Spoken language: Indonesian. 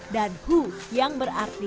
dan hu yang berarti